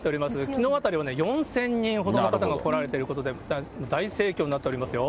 きのうあたりは４０００人ほどの方が来られてるということで、大盛況になっておりますよ。